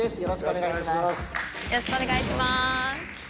よろしくお願いします。